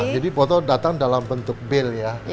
jadi botol datang dalam bentuk bale ya